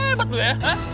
hebat lo ya